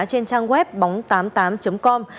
trên trang web bóng tám mươi tám com